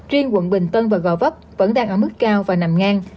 riêng quận bình tân và gò vấp vẫn đang ở mức cao và nằm ngang